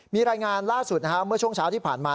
มีรายงานล่าสุดเมื่อช่วงเช้าที่ผ่านมา